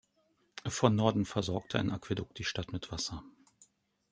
Von Norden versorgte ein Aquädukt die Stadt mit Wasser.